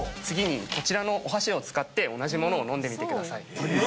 次にこちらのお箸を使って同じものを飲んでみてください。